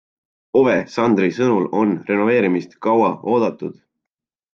Ove Sandri sõnul on renoveerimist kaua oodatud.